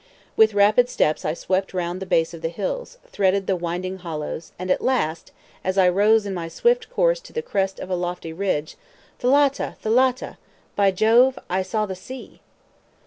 With rapid steps I swept round the base of the hills, threaded the winding hollows, and at last, as I rose in my swift course to the crest of a lofty ridge, Thalatta! Thalatta! by Jove! I saw the sea!